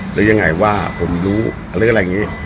หรือยังไงว่าผมรู้หรืออะไรอย่างนี้